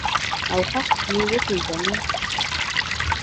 او حق یې وپیژني.